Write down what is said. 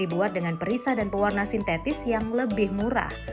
dibuat dengan perisa dan pewarna sintetis yang lebih murah